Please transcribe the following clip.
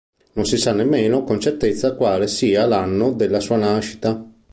Non si sa nemmeno con certezza quale sia l'anno della sua nascita.